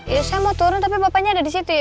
ya saya mau turun tapi bapaknya ada di situ ya